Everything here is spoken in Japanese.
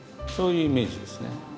そういうイメージですね。